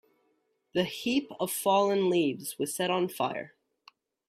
The heap of fallen leaves was set on fire.